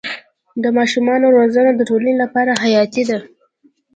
د ماشومانو روزنه د ټولنې لپاره حیاتي ده.